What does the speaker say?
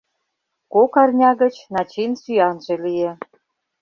Кок арня гыч Начин сӱанже лие.